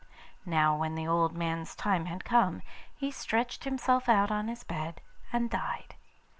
Now when the old man's time had come, he stretched himself out on his bed and died.